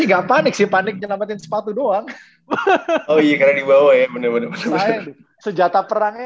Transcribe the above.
tidak panik panik nyelamatin sepatu doang oh iya karena dibawa ya bener bener senjata perangnya